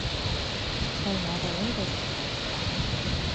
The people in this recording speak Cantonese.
對我哋呢對情侶嚟講